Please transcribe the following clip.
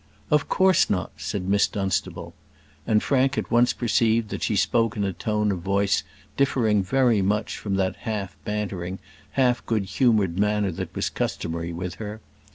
"Of course not," said Miss Dunstable; and Frank at once perceived that she spoke in a tone of voice differing much from that half bantering, half good humoured manner that was customary with her.